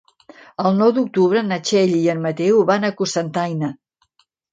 El nou d'octubre na Txell i en Mateu van a Cocentaina.